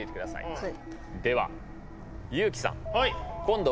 はい。